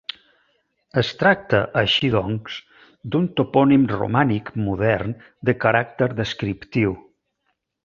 Es tracta, així doncs, d'un topònim romànic modern de caràcter descriptiu.